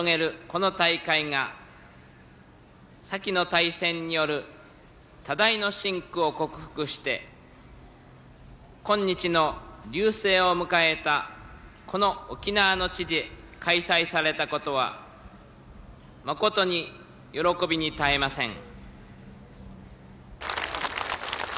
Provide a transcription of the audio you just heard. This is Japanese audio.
この大会が、先の大戦による多大の辛苦を克服して、今日の隆盛を迎えたこの沖縄の地で開催されたことは、誠に喜びに堪えません。